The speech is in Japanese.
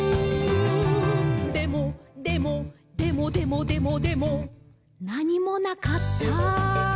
でも、でも、でもでもでもでも」「なにもなかった！」